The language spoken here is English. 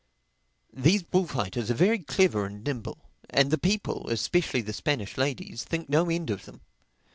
These bullfighters are very clever and nimble. And the people, especially the Spanish ladies, think no end of them.